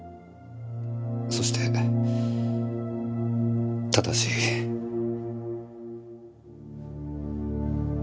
そして正しい。